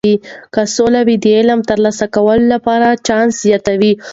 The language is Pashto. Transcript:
که سوله وي، د علم د ترلاسه کولو لپاره چانس زیات دی.